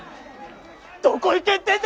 どこ行けってんだ！